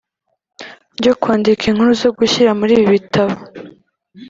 ryo kwandika inkuru zo gushyira muri ibi bitabo